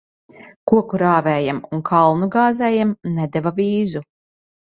Koku rāvējam un kalnu gāzējam nedeva vīzu.